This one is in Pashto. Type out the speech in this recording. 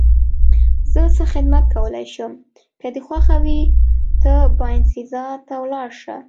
زه څه خدمت کولای شم؟ که دې خوښه وي ته باینسیزا ته ولاړ شه.